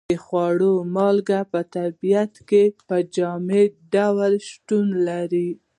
د خوړو مالګه په طبیعت کې په جامد ډول شتون لري.